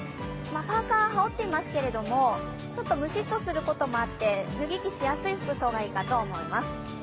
パーカーを羽織っていますけれども、ちょっとムシッとすることもあって、脱ぎ着しやすい服装がいいかと思います。